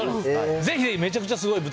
ぜひ、めちゃくちゃすごい舞台。